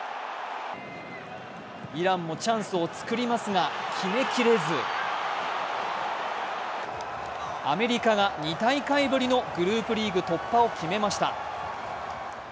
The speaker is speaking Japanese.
イランもチャンスを作りますが、決めきれずアメリカが２大会ぶりのグループリーグ突破を決めました。